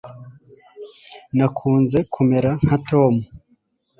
nakunze kumera nka tom